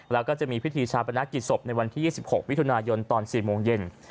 แล้วก็จะมีพิธีชาปนกิจศพในวันที่๒๖มิถุนายนตอน๔โมงเย็น